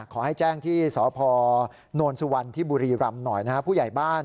ขอให้แจ้งที่สพโนรสุวรรณที่บุรีรำหน่อยนะครับ